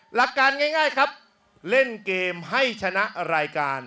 หลักการง่ายครับเล่นเกมให้ชนะรายการ